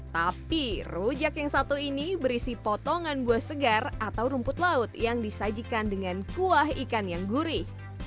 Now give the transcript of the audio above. tapi rujak yang satu ini berisi potongan buah segar atau rumput laut yang disajikan dengan kuah ikan yang gurih